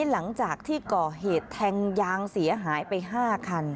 หลังจากที่ก่อเหตุแทงยางเสียหายไป๕คัน